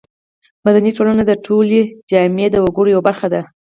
مدني ټولنه د ټولې جامعې د وګړو یوه برخه ده.